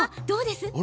どうです？